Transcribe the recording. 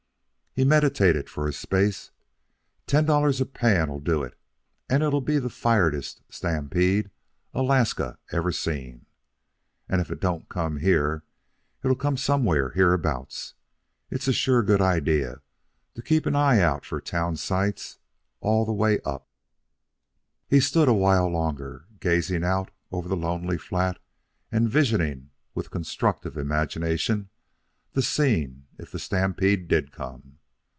He meditated for a space. "Ten dollars to the pan'll do it, and it'd be the all firedest stampede Alaska ever seen. And if it don't come here, it'll come somewhere hereabouts. It's a sure good idea to keep an eye out for town sites all the way up." He stood a while longer, gazing out over the lonely flat and visioning with constructive imagination the scene if the stampede did come.